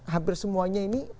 hampir semuanya ini